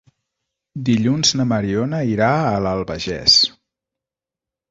Dilluns na Mariona irà a l'Albagés.